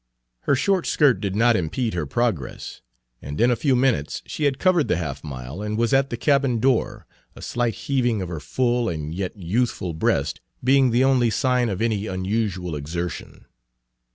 Her short skirt did not impede her progress, and in a few minutes she had Page 139 covered the half mile and was at the cabin door, a slight heaving of her full and yet youthful breast being the only sign of any unusual exertion.